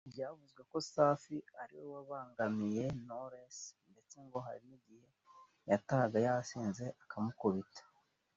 byavuzwe ko Safi ari we wabangamiye Knowless ndetse ngo hari igihe yatahaga yasinze akamukubita